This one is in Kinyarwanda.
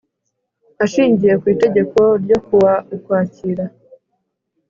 Ashingiye ku itegeko ryo ku wa ukwakira